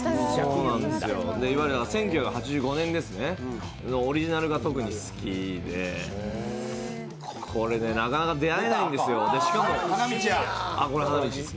１９８５年ですね、オリジナルが特に好きで、これ、なかなか出会えないんですよこれ、花道ですね。